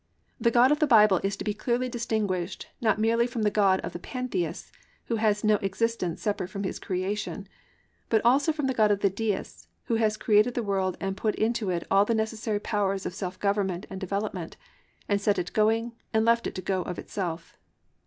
The God of the Bible is to be clearly distinguished not merely from the God of the Pantheists who has no existence separate from His creation, but also from the God of the Deists who has created the world and put into it all the necessary powers of self government and development and set it going and left it to go of itself.